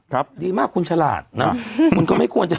ครับดีมากคุณฉลาดน่ะคุณก็ไม่ควรจะเอ่อ